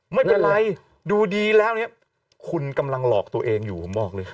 ไม่เป็นไรดูดีแล้วเนี่ยคุณกำลังหลอกตัวเองอยู่ผมบอกเลย